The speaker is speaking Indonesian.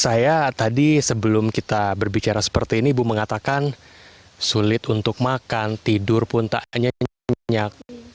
saya tadi sebelum kita berbicara seperti ini ibu mengatakan sulit untuk makan tidur pun tak nyenyak